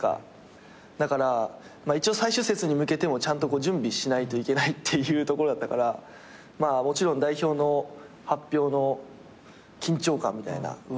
だから一応最終節に向けてもちゃんと準備しないといけないっていうところだったから。もちろん代表の発表の緊張感みたいなうわ